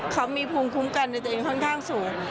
เขามีภูมิคุ้มกันในตัวเองค่อนข้างสูง